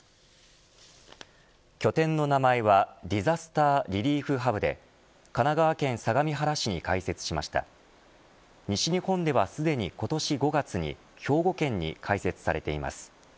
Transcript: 拠点の名前はディザスター・リリーフ・ハブで神奈川県相模原市に開設しました西日本ではすでに今年５月に兵庫県に開設されています。